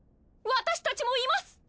私たちもいます！